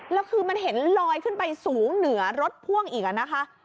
แล้วคือมันเห็นลอยขึ้นไปสูงเหนือรถพ่วงอีกนะคะ